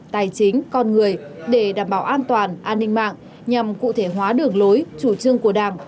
tài chính con người để đảm bảo an toàn an ninh mạng nhằm cụ thể hóa đường lối chủ trương của đảng